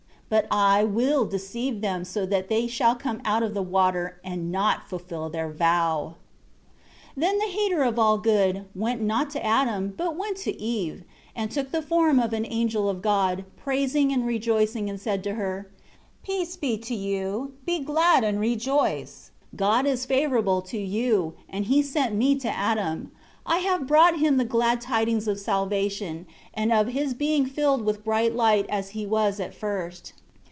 3 But I will deceive them so that they shall come out of the water, and not fulfil their vow." 4 Then the hater of all good, went not to Adam, but he went to Eve, and took the form of an angel of God, praising and rejoicing, and said to her: 5 "Peace be to you! Be glad and rejoice! God is favorable to you, and He sent me to Adam. I have brought him the glad tidings of salvation, and of his being filled with bright light as he was at first.